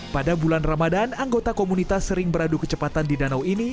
pada bulan ramadan anggota komunitas sering beradu kecepatan di danau ini